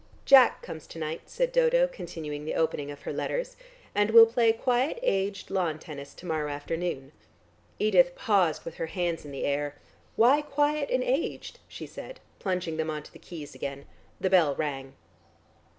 "Jack comes to night," said Dodo, continuing the opening of her letters, "and we'll play quiet aged lawn tennis to morrow afternoon." Edith paused with her hands in the air. "Why quiet and aged?" she said, plunging them on to the keys again. The bell rang.